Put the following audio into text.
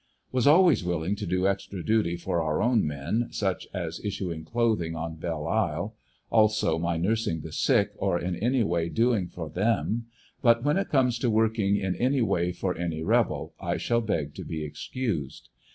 Was always willing to do extra duty for our own men, such as issuing clothing on Belle Isle, also my nursing the sick or in any way doing for them, but when it comes to working in any way for any rebel, I shall beg to be excused.